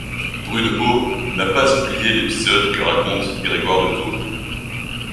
Brunehaut n'a pas oublié l'épisode que raconte Grégoire de Tours.